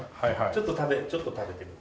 ちょっと食べてみて。